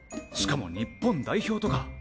しかも日本代表とか。